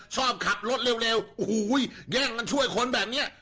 ชอบขับรถเร็วโอ้โหแย่งกันช่วยคนแบบนี้